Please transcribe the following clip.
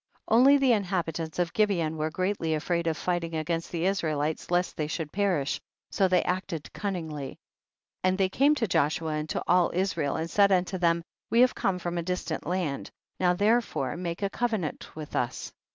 50. Only the inhabitants of Gibe on were greatly afraid of fighting against the Israelites lest they should perish, so they acted cunningly, and they came to Joshua and to all Is rael, and said unto them, we have come from a distant land, now there fore make a covenant with us.